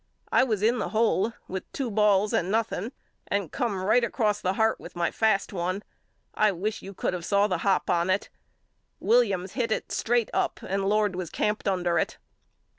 I was in the hole with two balls and nothing and come right across the heart with my fast one. I wish you could of saw the hop on it. Williams hit it right straight up and Lord was camped under it.